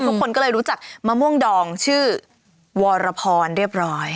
ทุกคนก็เลยรู้จักมะม่วงดองชื่อวรพรเรียบร้อย